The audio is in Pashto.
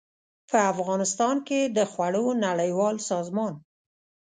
په افغانستان کې د خوړو نړیوال سازمان